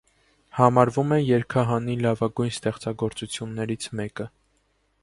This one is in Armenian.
Համարվում է երգահանի լավագույն ստեղծագործություններից մեկը։